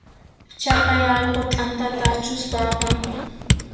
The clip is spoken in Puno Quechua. Chaqay allqu t'antata achuspa apan.